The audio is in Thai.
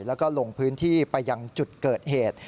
แล้วก็ลงพื้นที่ไปยังจุดเกิดเหตุ